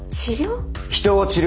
治療？